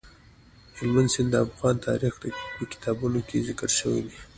هلمند سیند د افغان تاریخ په کتابونو کې ذکر شوی دي.